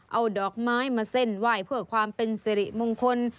เอาดอกไม้มาเส้นไหว้เพื่อความเป็นสิริมงคล